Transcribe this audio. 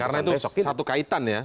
karena itu satu kaitan ya